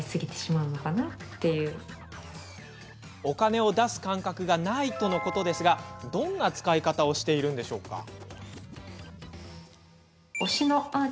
お金を出す感覚がないとのことですがどんな使い方をしているんでしょうか？